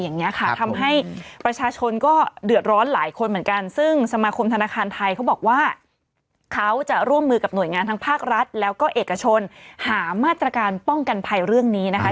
งานทั้งภาครัฐแล้วก็เอกชนน์หามาตรการป้องกันภัยเรื่องนี้นะคะ